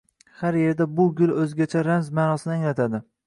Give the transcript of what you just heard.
Har yerda bu gul uzgacha ramz manosini anglatadi.